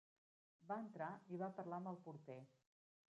Va entrar i va parlar amb el porter.